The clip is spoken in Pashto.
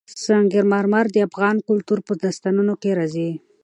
سنگ مرمر د افغان کلتور په داستانونو کې راځي.